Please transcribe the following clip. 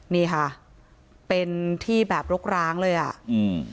นี่ค่ะเป็นที่แบบรกร้างเลยอ่ะอืม